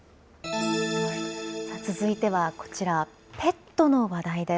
続いてはこちら、ペットの話題です。